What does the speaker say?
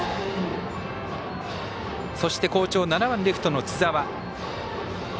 そして、好調７番レフトの津澤。